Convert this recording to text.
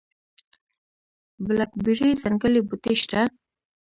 د بلک بیري ځنګلي بوټي شته؟